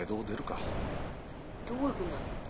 どこへ行くんだい？